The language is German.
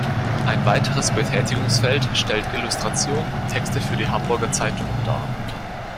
Ein weiteres Betätigungsfeld stellten Illustrationen und Texte für Hamburger Zeitungen dar.